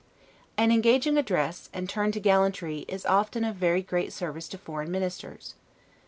An engaging address, and turn to gallantry, is often of very great service to foreign ministers.